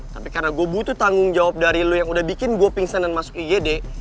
tapi karena gue butuh tanggung jawab dari lu yang udah bikin gue pingsan dan masuk igd